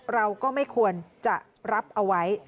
เราก็ไม่ควรจะรับเอาไว้